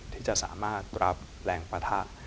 ที่จะสามารถรับแรงปะทะ